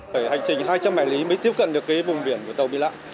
hành trình hai trăm linh mảnh lý mới tiếp cận được cái vùng biển của tàu bị lạ